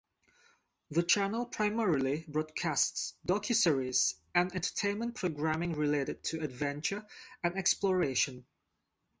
The channel primarily broadcasts docu-series and entertainment programming related to adventure and exploration.